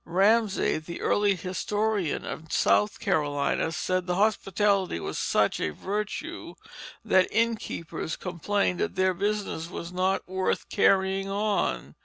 Ramsay, the early historian of South Carolina, said that hospitality was such a virtue that innkeepers complained that their business was not worth carrying on.